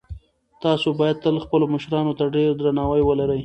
تاسو باید تل خپلو مشرانو ته ډېر درناوی ولرئ.